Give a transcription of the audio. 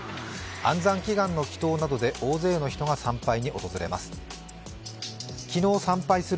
安産祈願の祈とうなどで大勢の人が参拝に訪れます。